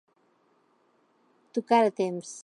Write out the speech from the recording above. Tocar a temps.